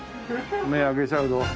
目ぇ開けちゃうぞ。